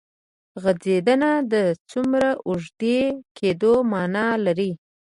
غځېدنه د څومره اوږدې کېدو معنی لري.